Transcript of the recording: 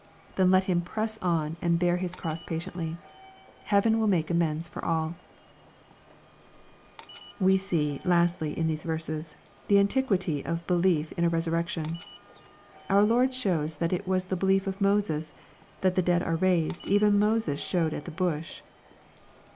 Then let bim press on and bear his cross patiently. Heaven will make amends for alL We see, lastly, in these verses, the antiquity of 6e liif iih a resurrection. Our Lord shows that it was the l eiief of Moses. " That the dead are raised, even Mo fes showed at the bush."